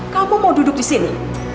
kamu mau duduk disini